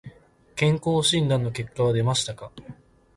健康診断の結果は出ましたか。